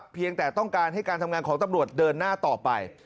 เพียงแต่ต้องการให้การทำงานของตำรวจเดินหน้าต่อไป